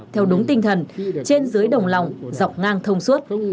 theo đúng tinh thần trên dưới đồng lòng dọc ngang thông suốt